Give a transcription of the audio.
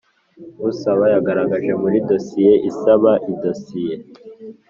Usaba yagaragaje muri dosiye isaba idosiye